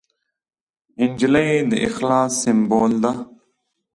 نجلۍ د اخلاص سمبول ده.